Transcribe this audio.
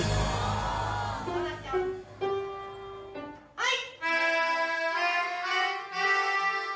はい！